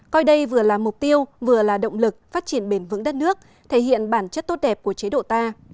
coi đây vừa là mục tiêu vừa là động lực phát triển bền vững đất nước thể hiện bản chất tốt đẹp của chế độ ta